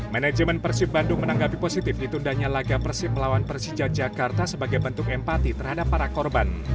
manajemen persib bandung menanggapi positif ditundanya laga persib melawan persija jakarta sebagai bentuk empati terhadap para korban